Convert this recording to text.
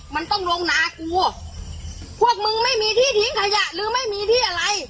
มันต้องลงนากูพวกมึงไม่มีที่ทิ้งขยะหรือไม่มีที่อะไร